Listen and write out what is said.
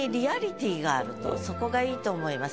そこがいいと思います。